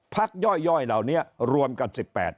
ย่อยเหล่านี้รวมกัน๑๘